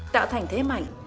tạo thành thế mạnh